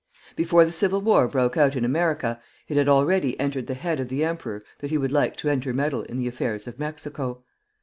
Before the Civil War broke out in America, it had already entered the head of the emperor that he would like to intermeddle in the affairs of Mexico.